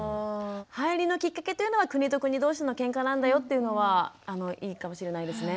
入りのきっかけというのは国と国同士のケンカなんだよというのはいいかもしれないですね。